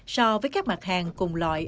so với các mặt hàng cùng loại